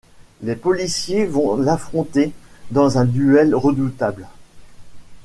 Les policiers vont l'affronter dans un duel redoutable...